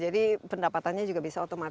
jadi pendapatannya juga bisa otomatis